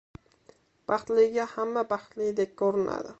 • Baxtliga hamma baxtlidek ko‘rinadi.